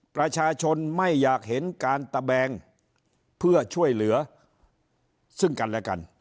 ประชาชนไม่อยากเห็นการตะแบงเพื่อช่วยเหลือซึ่งกันและกัน